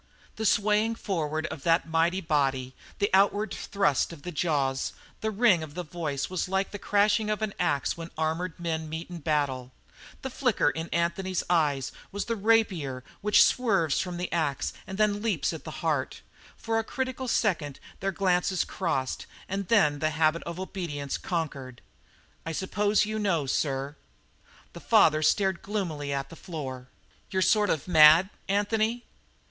The swaying forward of that mighty body, the outward thrust of the jaws, the ring of the voice, was like the crashing of an ax when armoured men meet in battle. The flicker in the eyes of Anthony was the rapier which swerves from the ax and then leaps at the heart. For a critical second their glances crossed and then the habit of obedience conquered. "I suppose you know, sir." The father stared gloomily at the floor. "You're sort of mad, Anthony?"